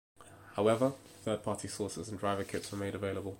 However, third-party sources and driver kits were made available.